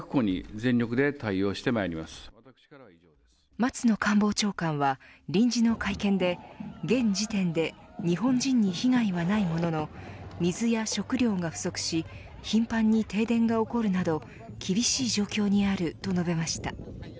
松野官房長官は臨時の会見で現時点で日本人に被害はないものの水や食料が不足し頻繁に停電が起こるなど厳しい状況にあると述べました。